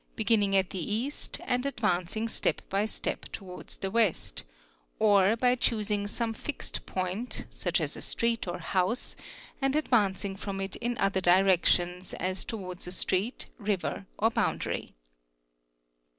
beginning at the east and advancing step by » towards the west, or by choosing some fixed point such as a street | ouse and advancing from it in other directions as towards a street, *, or boundary.